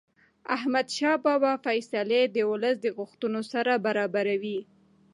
احمدشاه بابا فیصلې د ولس د غوښتنو سره برابرې وې.